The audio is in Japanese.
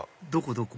どこ？